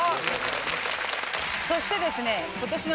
そしてですね。